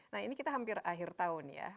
nah ini kita hampir akhir tahun ya